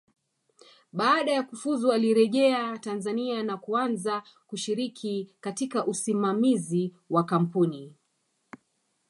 Baada ya kufuzu alirejea Tanzania na kuanza kushiriki katika usimamizi wa kampuni